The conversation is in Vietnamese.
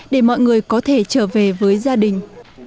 để mọi người có thể trở về với gia đình